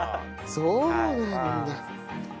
そうなんだ。